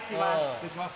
失礼します。